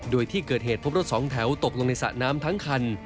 โดยที่เกิดเหตุพบรถสองแถวตกลงในสระน้ำทั้งคัน